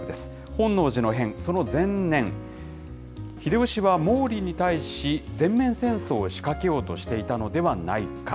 本能寺の変、その前年、秀吉は毛利に対し、全面戦争をしかけようとしていたのではないか。